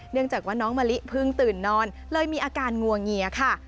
จากว่าน้องมะลิเพิ่งตื่นนอนเลยมีอาการงวงเงียค่ะ